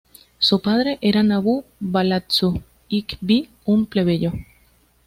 Su padre era Nabû-balatsu-iqbi, un plebeyo.